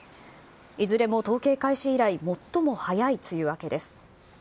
いずれも統計開始以来、最も早い梅雨明けです。